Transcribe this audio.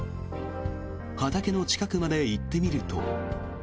畑の近くまで行ってみると。